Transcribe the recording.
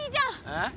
えっ？